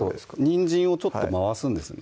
にんじんをちょっと回すんですね